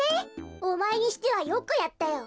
おまえにしてはよくやったよ。